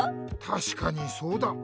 たしかにそうだ。